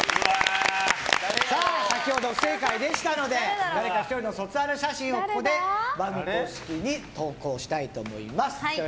先ほど不正解でしたのでだれか１人の卒アル写真をここで番組公式に投稿したいと思います。